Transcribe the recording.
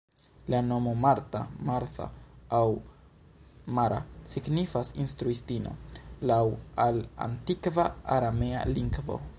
La nomo "Marta", "Martha" aŭ "Mara" signifas "instruistino", laŭ al antikva aramea lingvo.